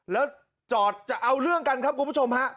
แล้วจอดจะเอาเรื่องกันครับคุณผู้ชมฮะ